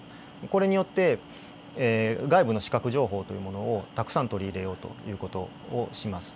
これによって外部の視覚情報というものをたくさん取り入れようという事をします。